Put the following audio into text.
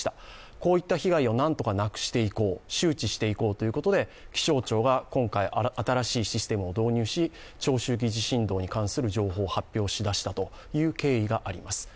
こういった被害をなんとかなくしていこう、周知していこうということで気象庁が今回新しいシステムを導入し、長周期地震動に関する情報を発表しだしたという経緯があります。